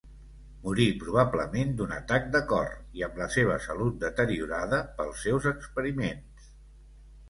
Morí probablement d'un atac de cor i amb la seva salut deteriorada pels seus experiments.